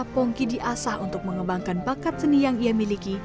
pongki diasah untuk mengembangkan bakat seni yang ia miliki